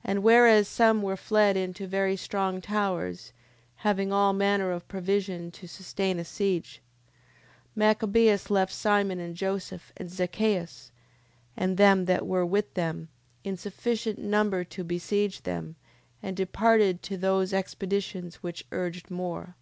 10:18. And whereas some were fled into very strong towers, having all manner of provision to sustain a siege, 10:19. Machabeus left Simon and Joseph, and Zacheus, and them that were with them, in sufficient number to besiege them, and departed to those expeditions which urged more.